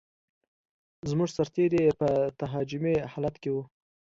زموږ سرتېري په تهاجمي حالت کې و.